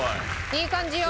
いい感じよ。